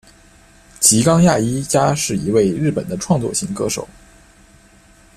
吉冈亚衣加是一位日本的创作型歌手。